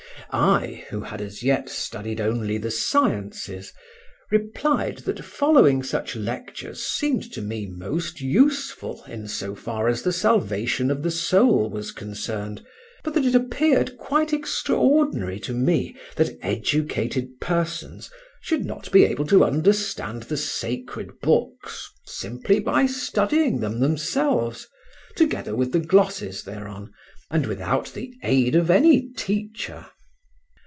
I, who had as yet studied only the sciences, replied that following such lectures seemed to me most useful in so far as the salvation of the soul was concerned, but that it appeared quite extraordinary to me that educated persons should not be able to understand the sacred books simply by studying them themselves, together with the glosses thereon, and without the aid of any teacher.